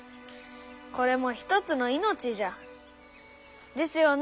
これも一つの命じゃ。ですよね？